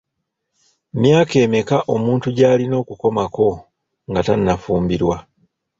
Myaka emeka omuntu gy'alina okukomako nga tannafumbirwa?